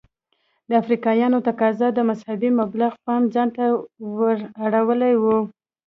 د افریقایانو تقاضا د مذهبي مبلغ پام ځانته ور اړولی و.